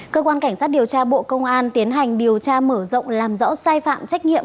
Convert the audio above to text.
cơ quan cảnh sát điều tra bộ công an tiến hành điều tra mở rộng làm rõ sai phạm trách nhiệm